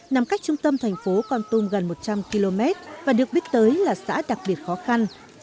nằm cách trung tâm thành phố con tum gần một trăm linh km và được biết tới là xã đặc biệt khó khăn